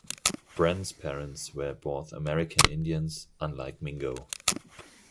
Brant's parents were both American Indians, unlike Mingo.